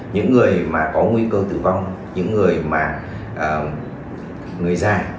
những người mà có nguy cơ tử vong những người mà người già